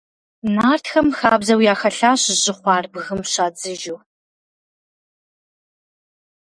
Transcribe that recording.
Нартхэм хабзэу яхэлъащ жьы хъуар бгым щадзыжу.